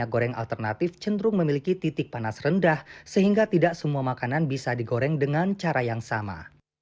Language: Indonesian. goreng alternatif cenderung memiliki titik panas rendah sehingga tidak semua makanan bisa digoreng dengan cara yang sama